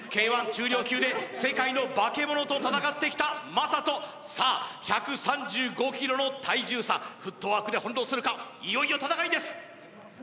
Ｋ−１重量級で世界のバケモノと戦ってきた魔裟斗さあ１３５ｋｇの体重差フットワークで翻弄するかいよいよ戦いです